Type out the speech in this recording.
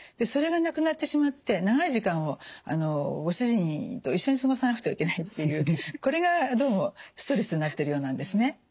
それがなくなってしまって長い時間をご主人と一緒に過ごさなくてはいけないというこれがどうもストレスになってるようなんですね。